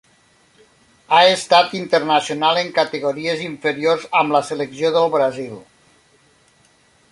Ha estat internacional en categories inferiors amb la selecció del Brasil.